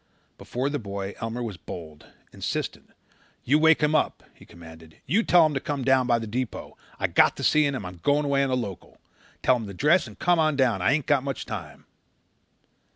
Before the boy Elmer was bold, insistent. "You 'wake him up," he commanded. "You tell him to come down by the depot. I got to see him and I'm going away on the local. Tell him to dress and come on down. I ain't got much time."